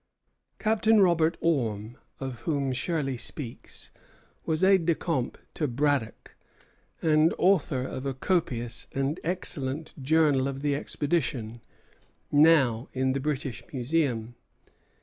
VI. 404. Captain Robert Orme, of whom Shirley speaks, was aide de camp to Braddock, and author of a copious and excellent Journal of the expedition, now in the British Museum.